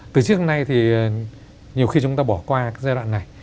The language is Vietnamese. từ trước đến nay thì nhiều khi chúng ta bỏ qua giai đoạn này